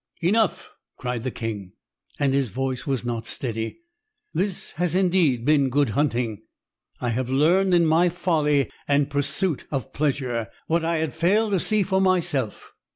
"Enough," cried the king, and his voice was not steady. "This has indeed been good hunting. I have learned, in my folly and pursuit of pleasure, what I had failed to see for myself.